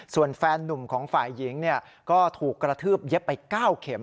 ส่วนแฟนนุ่มของฝ่ายหญิงก็ถูกกระทืบเย็บไป๙เข็ม